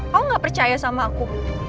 kau gak percaya sama aku